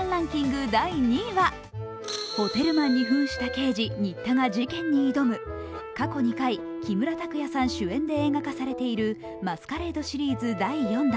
ホテルマンに分した刑事・新田が事件に挑む過去２回、木村拓哉さん主演で映画化されているマスカレードシリーズ第４弾。